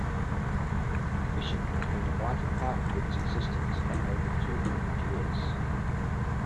Fishing has been a vital part of its existence for over two hundred years.